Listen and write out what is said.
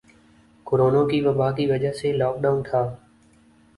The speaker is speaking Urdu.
کورونا کی وبا کی وجہ سے لاک ڈاؤن تھا